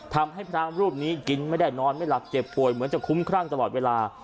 ทำให้พระรูปนี้กินไม่ได้นอนไม่หลับเจ็บป่วยเหมือนจะคุ้มครั่งตลอดเวลา